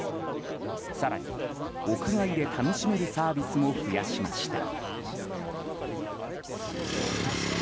更に、屋外で楽しめるサービスも増やしました。